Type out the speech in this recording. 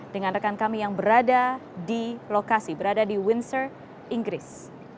dengan rekan kami yang berada di lokasi berada di windsor inggris